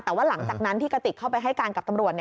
แต่ว่าหลังจากนั้นที่กระติกเข้าไปให้การกับตำรวจ